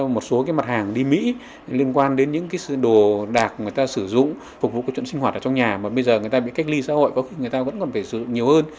một số mặt hàng đi mỹ liên quan đến những đồ đạc người ta sử dụng phục vụ cái chuẩn sinh hoạt ở trong nhà mà bây giờ người ta bị cách ly xã hội có khi người ta vẫn còn phải sử dụng nhiều hơn